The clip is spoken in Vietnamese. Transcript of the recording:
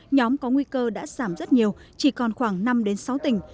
nhóm có nguy cơ đã giảm rất nhiều chỉ còn khoảng năm sáu tỉnh